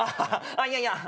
いやいや。